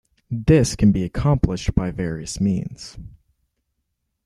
This can be accomplished by various means.